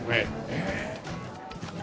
へえ！